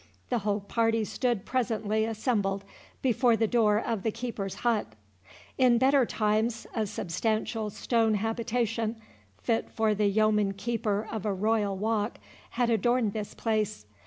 The whole party stood presently assembled before the door of the keeper's hut. In better times, a substantial stone habitation, fit for the yeoman keeper of a royal walk, had adorned this place.